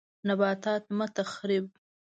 نباتات مه تخریب